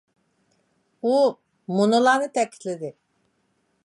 ئۇ مۇنۇلارنى تەكىتلىدى.